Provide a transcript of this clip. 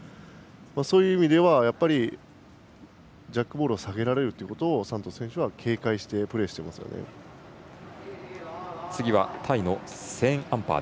そういう意味ではやっぱりジャックボールを下げられるということをサントス選手は警戒して次はタイのセーンアンパー。